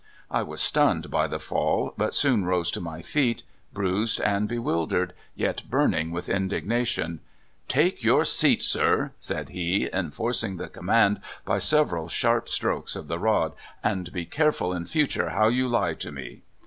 " I was stunned by the fall, but soon rose to my feet, bruised and bewildered, yet burning with in dignation. "' Take your seat, sir !' said he — enforcing the command by several sharp strokes of the rod —' and be careful in future how you lie to me